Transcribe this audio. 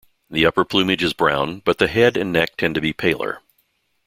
The upper plumage is brown but the head and neck tend to be paler.